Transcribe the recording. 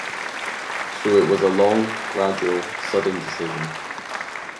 So it was a long, gradual, sudden decision.